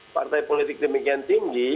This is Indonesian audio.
partai politik demikian tinggi